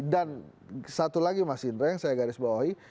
dan satu lagi mas indra yang saya garis bawahi